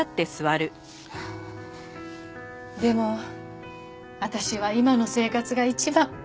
でも私は今の生活が一番。